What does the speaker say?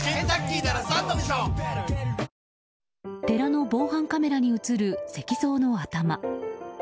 寺の防犯カメラに映る石像の頭。